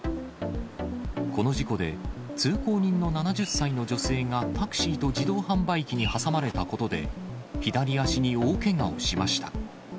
この事故で、通行人の７０歳の女性がタクシーと自動販売機に挟まれたことで、左足に大けがをしました。